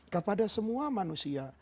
kepada semua manusia